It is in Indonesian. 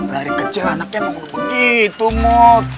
dari kecil anaknya emang udah begitu mut